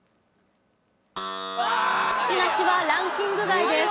クチナシはランキング外です。